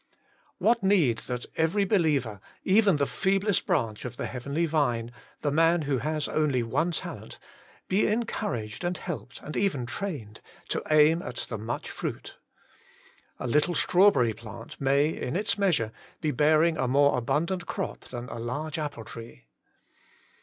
What need that every believer, even the feeblest branch of the Heavenly Vine, the man who has only one talent, be encouraged and helped, and even trained, to aim at the much fruit. A little strawberry plant may, in its measure, be bearing a more abundant crop than a large apple tree.